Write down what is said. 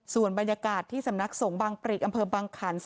ส่วนบรรยากาศที่สำนักสงฆ์บางปริกอำเภอบังขัน